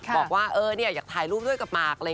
บอกว่าอยากถ่ายรูปด้วยกับหมาก